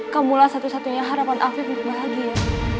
kamulah satu satunya harapan aku untuk bahagia